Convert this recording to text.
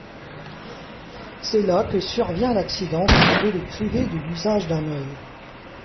C'est là que survient l'accident qui devait le priver de l'usage d'un œil.